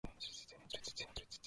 出店